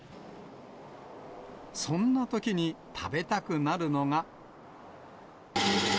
そんなときに食べたくなるのが。